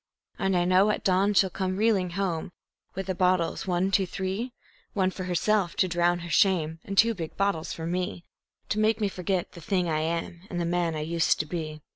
And I know at the dawn she'll come reeling home with the bottles, one, two, three One for herself, to drown her shame, and two big bottles for me, To make me forget the thing I am and the man I used to be.